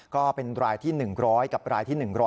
ก็เป็นรายที่๑๐๐กับรายที่๑๐๐